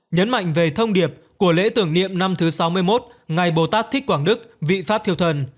nhấn mạnh về thông điệp của lễ tưởng niệm năm thứ sáu mươi một ngày bồ tát thích quảng đức vị pháp thiều thần